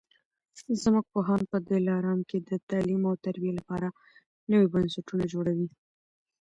زموږ پوهان په دلارام کي د تعلیم او تربیې لپاره نوي بنسټونه جوړوي